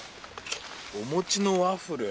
お餅のワッフル？